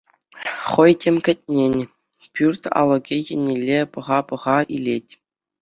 Хӑй, тем кӗтнӗн, пӳрт алӑкӗ еннелле пӑха-пӑха илет.